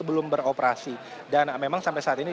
belum beroperasi dan memang sampai saat ini